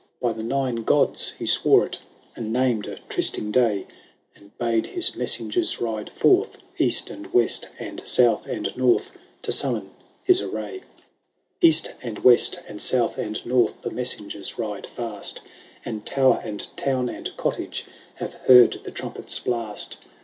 By the Nine Gods he swore it, And named a try sting day, And bade his messengers ride forth. East and west and south and north. To summon his array. 44 LAYS OF ANCIENT ROME. II. East and west and south and north The messengers ride fast. And tower and town and cottage Have heard the trumpet's blast.